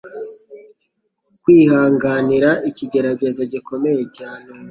kwihanganira ikigeragezo gikomeye cyane.